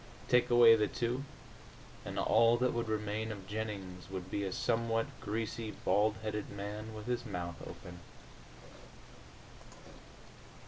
Take away the two, and all that would remain of Jennings would be a somewhat greasy bald headed man with his mouth open.